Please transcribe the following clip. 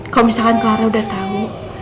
kalau misalkan clara udah tahu